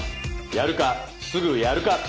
やるかすぐやるか。